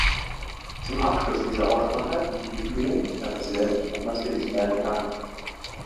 Zum Abschluss dieser Aussprache möchte ich Ihnen, Herr Präsident, nochmals für diesen Beitrag danken.